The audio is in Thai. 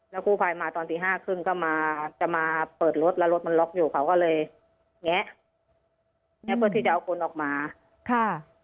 แล้วคู่ภัยมาตอน๑๕๓๐ก็จะมาเปิดรถแล้วรถมันล็อคอยู่เขาก็เลยแงะเพื่อที่จะเอาคนออกมา